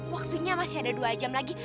waktunya masih ada dua jam lagi